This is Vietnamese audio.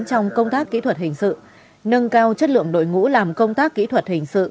trong công tác kỹ thuật hình sự nâng cao chất lượng đội ngũ làm công tác kỹ thuật hình sự